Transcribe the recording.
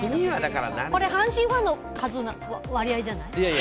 これ、阪神ファンの割合じゃない？